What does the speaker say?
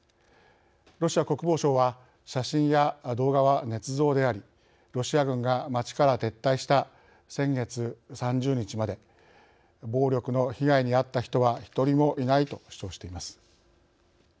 ロシア国防省は写真や動画は、ねつ造でありロシア軍が町から撤退した先月３０日まで暴力の被害にあった人は１人もいないと主張しています。